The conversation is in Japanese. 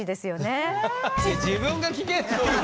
自分が聞けって。